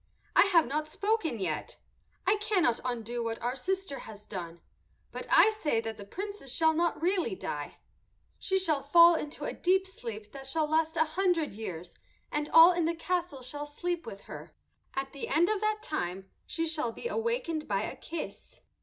"I have not spoken yet. I cannot undo what our sister has done, but I say that the Princess shall not really die. She shall fall into a deep sleep that shall last a hundred years, and all in the castle shall sleep with her. At the end of that time she shall be awakened by a kiss."